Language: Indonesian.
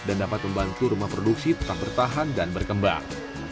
dan dapat membantu rumah produksi tetap bertahan dan berkembang